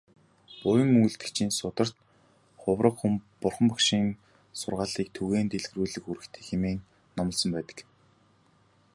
Буян үйлдэгчийн сударт "Хувраг хүн Бурхан багшийн сургаалыг түгээн дэлгэрүүлэх үүрэгтэй" хэмээн номлосон байдаг.